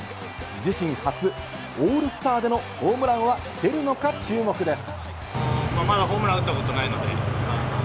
自身初、オールスターでのホームランは出るのか注目です。